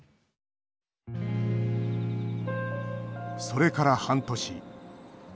それから半年。